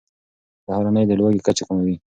سهارنۍ د لوږې کچه کموي.